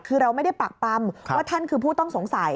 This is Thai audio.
คือเราไม่ได้ปากปำว่าท่านคือผู้ต้องสงสัย